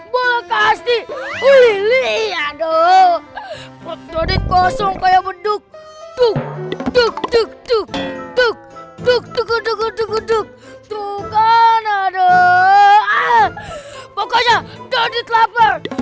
pokoknya dodit lapar